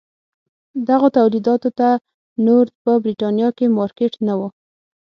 دغو تولیداتو ته نور په برېټانیا کې مارکېټ نه و.